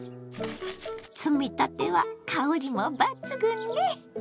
摘みたては香りも抜群ね！